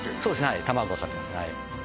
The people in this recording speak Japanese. はい卵かかってます